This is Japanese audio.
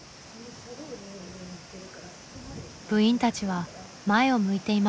部員たちは前を向いていました。